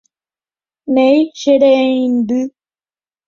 Néi che reindy.